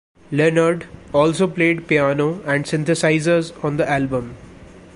Leonard also played piano and synthesizers on the album.